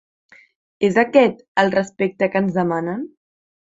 És aquest el respecte que ens demanen?.